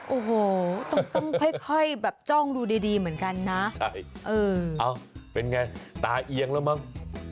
โอ้โหต้องค่อยแบบจ้องดูดีดีเหมือนกันนะใช่เออเอาเป็นไงตาเอียงแล้วมั้ง